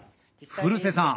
古瀬さん